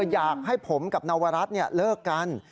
อยากให้ผมกับนวรัฐเลิกกัน